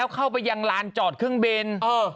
เข้าไปยังลานจอดเครื่องบิน